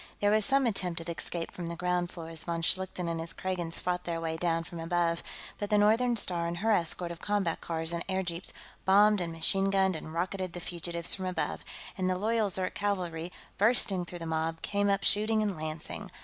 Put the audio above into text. There was some attempt at escape from the ground floor as von Schlichten and his Kragans fought their way down from above, but the Northern Star and her escort of combat cars and airjeeps bombed and machine gunned and rocketed the fugitives from above, and the loyal Zirk cavalry, bursting through the mob, came up shooting and lancing.